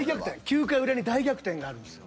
９回裏に大逆転があるんですよ。